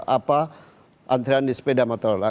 apa antrian di sepeda motor